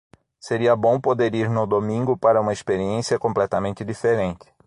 Seria bom poder ir no domingo para uma experiência completamente diferente.